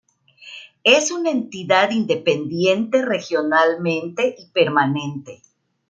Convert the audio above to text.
Es una entidad independiente regionalmente y permanente.